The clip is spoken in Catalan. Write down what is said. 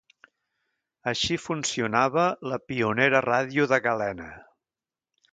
Així funcionava la pionera ràdio de galena.